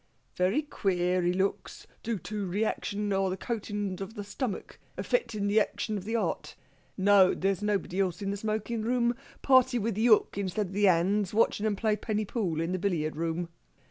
"Very queer he looks. Doo to reaction, or the coatin's of the stomach. Affectin' the action of the heart.... No, there's nobody else in the smoking room. Party with the 'ook instead of a hand's watching of 'em play penny pool in the billiard room."